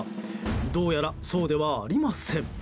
どうやらそうではありません。